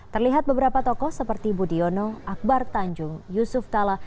terlihat beberapa tokoh seperti budiono akbar tanjung yusuf kala